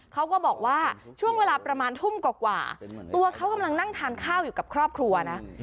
เขาก็บอกว่าช่วงเวลาประมาณทุ่มกว่าตัวเขากำลังนั่งทานข้าวอยู่กับครอบครัวนะ